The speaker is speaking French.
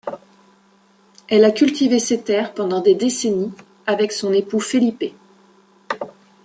Elle a cultivé ses terres pendant des décennies avec son époux Felipe.